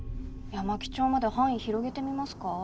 山木町まで範囲広げてみますか？